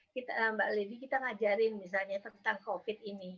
kita mbak lady kita ngajarin misalnya tentang covid ini